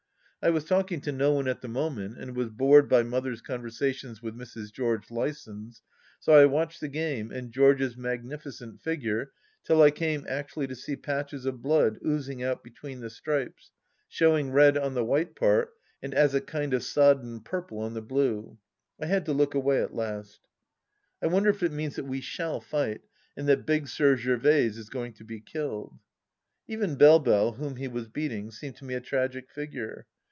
I was talkiag to no one at the moment, and was bored by Mother's conversation with Mrs. George Lysons, so I watched the game and George's magnificent figure till I came actually to see patches of blood oozing out between the stripes, show ing red on the white part and as a kind of sodden purple on the blue. I had to look away at last. I wonder if it means that we shall fight and that Big Sir Gervaise is going to be kUled. Even BeUe Belle, whom he was beating, seemed to me a tragic figure.